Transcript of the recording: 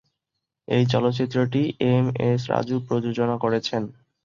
এই চলচ্চিত্রটি এমএস রাজু প্রযোজনা করেছেন।